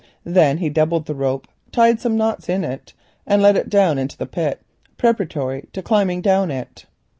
Then he doubled the rope, tied some knots in it, and let it fall into the pit, preparatory to climbing down it.